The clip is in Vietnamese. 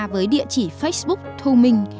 với địa chỉ facebook thu minh